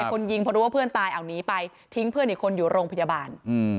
คนยิงพอรู้ว่าเพื่อนตายเอาหนีไปทิ้งเพื่อนอีกคนอยู่โรงพยาบาล